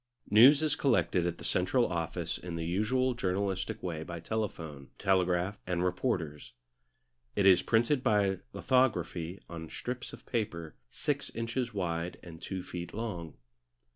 News is collected at the central office in the usual journalistic way by telephone, telegraph, and reporters. It is printed by lithography on strips of paper six inches wide and two feet long.